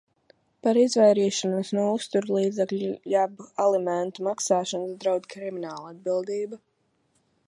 Par izvairīšanos no uzturlīdzekļu jeb alimentu maksāšanas draud kriminālatbildība.